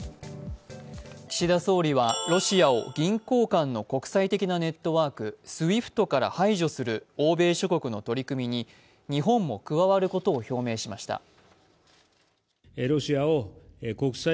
岸田総理はロシアを銀行間の国際的なネットワーク、ＳＷＩＦＴから排除する欧米諸国の取り組みに日本も加わることを表明しました。